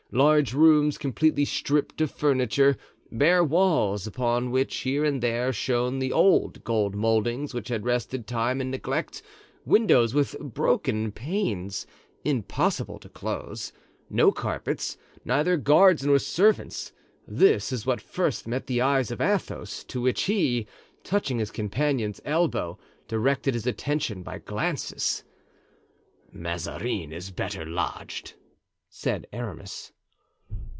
Large rooms, completely stripped of furniture, bare walls upon which, here and there, shone the old gold moldings which had resisted time and neglect, windows with broken panes (impossible to close), no carpets, neither guards nor servants: this is what first met the eyes of Athos, to which he, touching his companion's elbow, directed his attention by his glances. "Mazarin is better lodged," said Aramis.